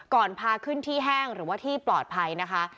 พาขึ้นที่แห้งหรือว่าที่ปลอดภัยนะคะ